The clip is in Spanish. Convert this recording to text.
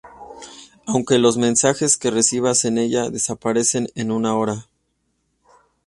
Aunque los mensajes que recibas en ella desaparecen en una hora